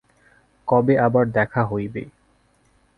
কবে আবার দেখা হইবে?